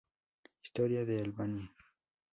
Historia de Albania